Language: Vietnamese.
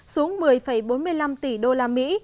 xuống một mươi bốn mươi năm tỷ đô la mỹ